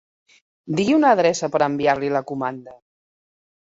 Digui una adreça per a enviar-li la comanda.